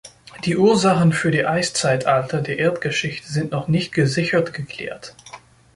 Die Ursachen für die Eiszeitalter der Erdgeschichte sind noch nicht gesichert geklärt.